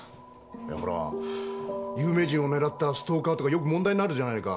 いやほら有名人を狙ったストーカーとかよく問題になるじゃないか。